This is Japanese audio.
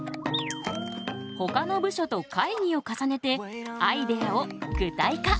ほかの部署と会議を重ねてアイデアを具体化。